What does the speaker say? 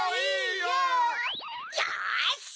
よし！